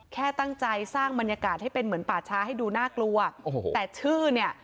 แค่ตั้งใจสร้างบรรยากาศให้เป็นเหมือนป่าช้าให้ดูน่ากลัวโอ้โหแต่ชื่อเนี่ย